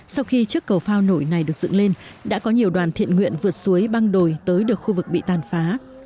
sau khi chiếc cầu phao nổi này được dựng lên đã có nhiều đoàn thiện nguyện vượt suối băng đồi tới được khu vực bị tàn phá